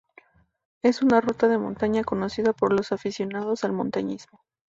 Es una ruta de montaña conocida por los aficionados al montañismo.